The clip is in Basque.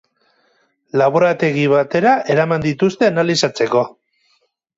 Laborategi batera eraman dituzte analizatzeko.